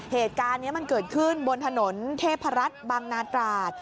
เหตุการณ์นี้มันเกิดขึ้นบนถนนเทพรัฐบังนาตราด